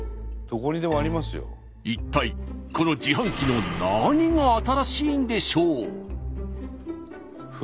一体この自販機の何が新しいんでしょう？